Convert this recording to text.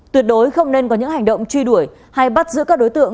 tuyệt đối không nên có những hành động truy đuổi hay bắt giữ các đối tượng